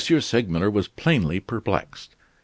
Segmuller was plainly perplexed.